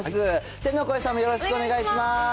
天の声さんもよろしくお願いします。